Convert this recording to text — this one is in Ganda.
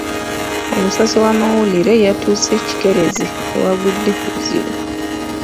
Omusasi w'amawulire yatuuse kikeerezi ewaagudde obuzibu.